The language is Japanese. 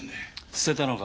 捨てたのか？